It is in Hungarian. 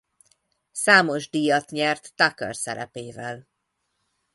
Számos díjat nyert Tucker szerepével.